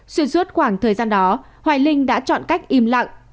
xuyên suốt khoảng thời gian đó hoài linh đã chọn cách im lặng